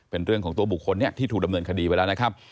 เป็นเรื่องของตัวบุคคลที่ถูกดำเนินคดีไปแล้วนะครับ